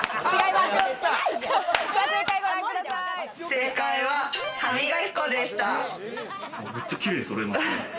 正解は歯磨き粉でした。